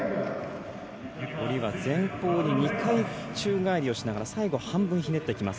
下りは前方に２回宙返りをしながら最後、半分ひねってきます。